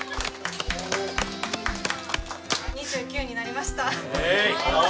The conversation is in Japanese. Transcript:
２９になりました。